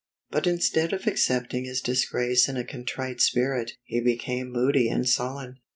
But instead of accepting his disgrace in a con trite spirit, he became moody and sullen.